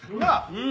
うん！